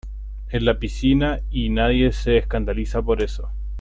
en la piscina y nadie se escandaliza por eso.